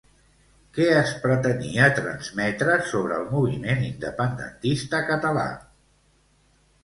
Què es pretenia transmetre sobre el moviment independentista català?